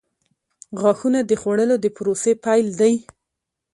• غاښونه د خوړلو د پروسې پیل دی.